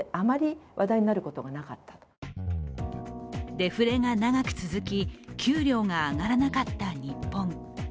デフレが長く続き、給料が上がらなかった日本。